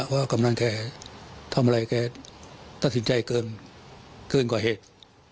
ว่ากำลังแกทำอะไรแกตัดสินใจเกินกว่าเหตุ